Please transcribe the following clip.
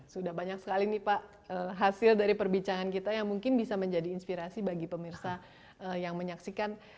sudah banyak sekali nih pak hasil dari perbicaraan kita yang mungkin bisa menjadi inspirasi bagi pemirsa yang menyaksikan